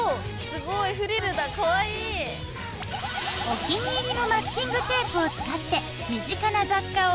お気に入りのマスキングテープを使って身近な雑貨をデコレーション。